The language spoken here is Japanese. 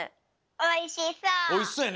おいしそうやね。